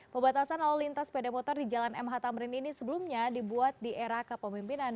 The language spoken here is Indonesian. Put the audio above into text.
pembatasan lalu lintas sepeda motor di jalan mh tamrin ini sebelumnya dibuat di era kepemimpinan